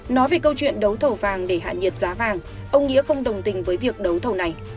nói về câu chuyện đấu thầu vàng để hạ nhiệt giá vàng ông nghĩa không đồng tình với việc đấu thầu này